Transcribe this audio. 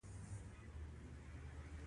شېرګل غوښتل ماريا له ځايه وشړي.